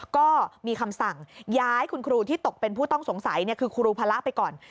ก็มีคำสั่งย้ายคุณครูที่ตกเป็นผู้ต้องสงสัยคือครูพระไปก่อน